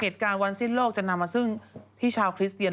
เหตุการณ์วันสิ้นโลกจะนำมาซึ่งที่ชาวคริสเตียน